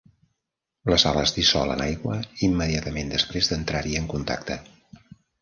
La sal es dissol en aigua immediatament després d'entrar-hi en contacte.